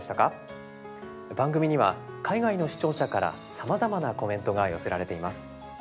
番組には海外の視聴者からさまざまなコメントが寄せられています。